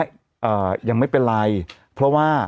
อ่ายังไม่เป็นไรเพราะว่า